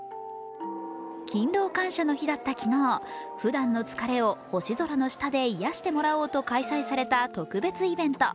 勤労感謝の日だった昨日ふだんの疲れを星空の下で癒やしてもらおうと開催された特別イベント。